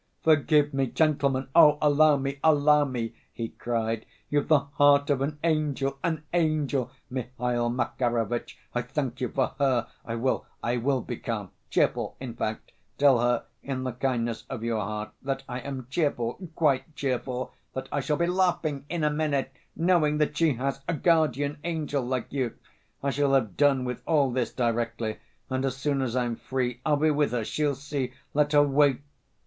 "Forgive me, gentlemen, oh, allow me, allow me!" he cried. "You've the heart of an angel, an angel, Mihail Makarovitch, I thank you for her. I will, I will be calm, cheerful, in fact. Tell her, in the kindness of your heart, that I am cheerful, quite cheerful, that I shall be laughing in a minute, knowing that she has a guardian angel like you. I shall have done with all this directly, and as soon as I'm free, I'll be with her, she'll see, let her wait.